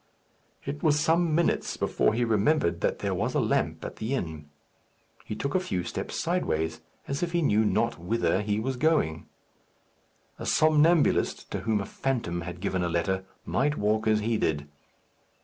It was some minutes before he remembered that there was a lamp at the inn. He took a few steps sideways, as if he knew not whither he was going. A somnambulist, to whom a phantom had given a letter, might walk as he did.